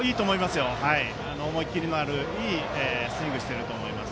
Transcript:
思い切りのあるいいスイングをしていると思います。